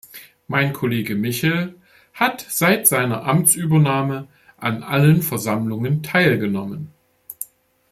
Mein Kollege Michel hat seit seiner Amtsübernahme an allen Versammlungen teilgenommen.